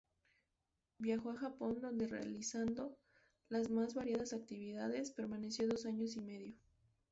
Viajó a Japón, donde, realizando las más variadas actividades, permaneció dos años y medio.